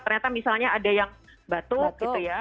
ternyata misalnya ada yang batuk gitu ya